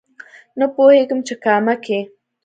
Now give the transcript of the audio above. نه پوهېږم چې کامه کې